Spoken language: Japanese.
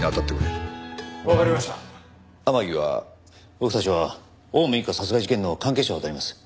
僕たちは青梅一家殺害事件の関係者を当たります。